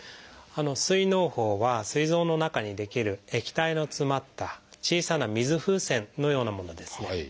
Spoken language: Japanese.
膵のう胞はすい臓の中に出来る液体の詰まった小さな水風船のようなものですね。